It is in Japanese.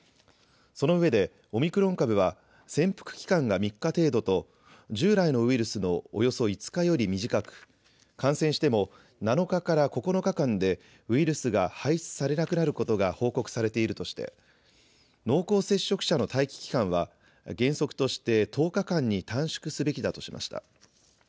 その上で、オミクロン株は、潜伏期間が３日程度と、従来のウイルスのおよそ５日より短く、感染しても、７日から９日間で、ウイルスが排出されなくなることが報告されているとして、濃厚接触者の待機期間は、原則として１０日間に短縮すべきだとしました。